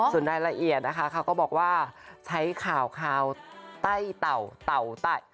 ส่วนรายละเอียดนะคะเขาก็บอกว่าใช้ข่าวใต้เต่าเต่าไต้